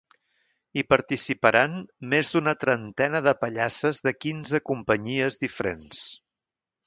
Hi participaran més d’una trentena de pallasses de quinze companyies diferents.